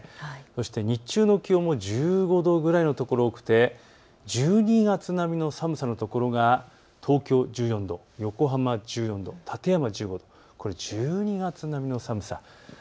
そして日中の気温も１５度くらいの所が多くて１２月並みの寒さの所が東京１４度、横浜１４度、館山１５度、これ、１２月並みの寒さ。